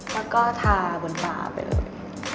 แล้วก็ทาบนฝาไปเลย